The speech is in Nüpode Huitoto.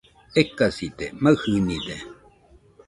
Ekasite, maɨjɨnide